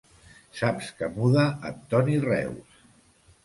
Saps que muda en Toni Reus!